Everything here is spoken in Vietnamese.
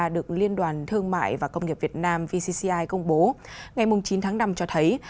được liên đoàn thương mại và công nghiệp việt nam vcci công bố ngày chín tháng năm cho thấy